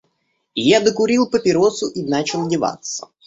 Я докурил папиросу и начал одеваться.